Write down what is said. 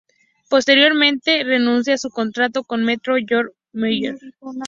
Posteriormente, renuncia a su contrato con Metro Goldwyn Meyer.